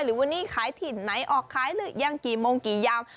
หรือวันนี้ขายถิ่นไหนออกขายหรือยังกี่โมงกี่ยำ